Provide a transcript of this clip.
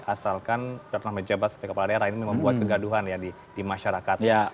asalkan terkenal meja bas oleh kepala daerah ini membuat kegaduhan ya di masyarakat